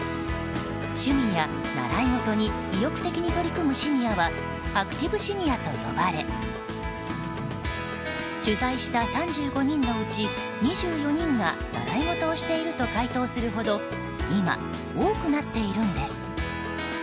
趣味や習い事に意欲的に取り組むシニアはアクティブシニアと呼ばれ取材した３５人のうち２４人が習い事をしていると回答するほど今、多くなっているんです。